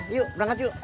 yuk berangkat yuk